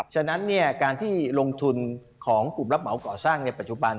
ฉะนั้นการที่ลงทุนของกลุ่มรับเหมาก่อสร้างในปัจจุบัน